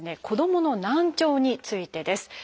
子どもの難聴についてです。